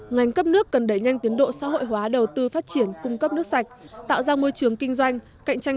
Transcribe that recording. ngành cấp nước cần đẩy nhanh tiến độ xã hội hóa đầu tư phát triển cung cấp nước sạch tạo ra môi trường kinh doanh